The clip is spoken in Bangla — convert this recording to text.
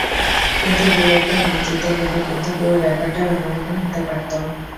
কিন্তু দু-একটা ম্যাচ জিতে গেলে কিন্তু পুরো ব্যাপারটাই অন্য রকম হতে পারত।